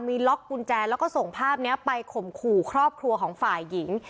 มีล็อกกุญแจแล้วก็ส่งภาพนี้ไปข่มขู่ครอบครัวของฝ่ายหญิง